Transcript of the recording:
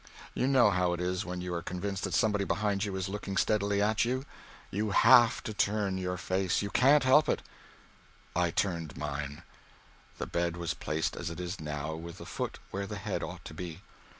You know how it is when you are convinced that somebody behind you is looking steadily at you. You have to turn your face you can't help it. I turned mine. The bed was placed as it is now, with the foot where the head ought to be.